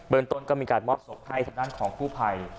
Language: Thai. ต้นก็มีการมอบศพให้ทางด้านของกู้ภัย